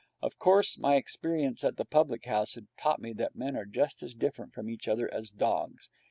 Of course, my experience at the public house had taught me that men are just as different from each other as dogs.